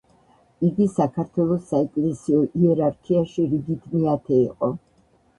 იგი საქართველოს საეკლესიო იერარქიაში რიგით მეათე იყო.